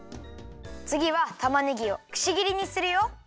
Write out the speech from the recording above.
つぎはたまねぎをくしぎりにするよ。